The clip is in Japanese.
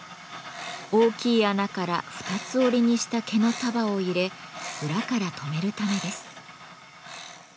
大きい穴から二つ折りにした毛の束を入れ裏から留めるためです。